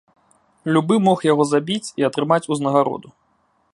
Любы мог яго забіць і атрымаць узнагароду.